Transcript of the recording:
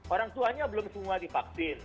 orang tuanya belum semua divaksin